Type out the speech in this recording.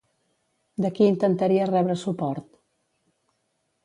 De qui intentaria rebre suport?